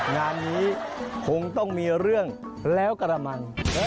งานนี้คงต้องมีเรื่องแล้วกระมัง